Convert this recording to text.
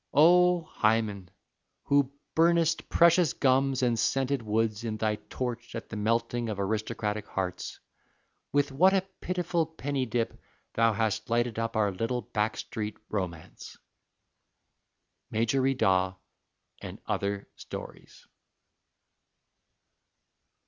O Hymen! who burnest precious gums and scented woods in thy torch at the melting of aristocratic hearts, with what a pitiful penny dip thou hast lighted up our little back street romance. _Majorie Daw, and Other Stories.